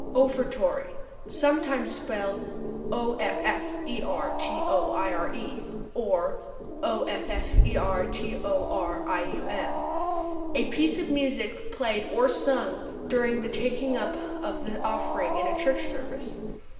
Offertory (sometimes spelled offertoire, or offertorium) a piece of music played or sung during the taking up of the offering in the church service.